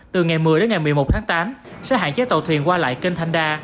từ ngày một mươi đến ngày một mươi một tháng tám sẽ hạn chế tàu thuyền qua lại kênh thanh đa